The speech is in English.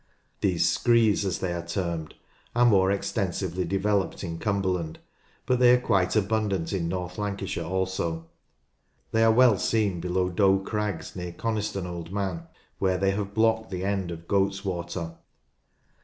These "screes," as they are termed, are more extensively developed in Cumberland, but they are quite abundant in North Lancashire also. They are well seen below Doe Crags near Coniston Old Man, where they have blocked the end of Goats Water.